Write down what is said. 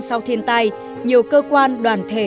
sau thiên tai nhiều cơ quan đoàn thể